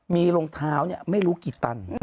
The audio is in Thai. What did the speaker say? มีรองเท้าไม่รู้กี่ตัน